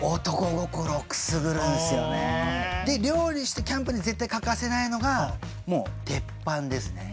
で料理してキャンプに絶対欠かせないのがもう鉄板ですね。